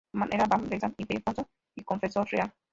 Amat era abad de san Ildefonso y confesor real.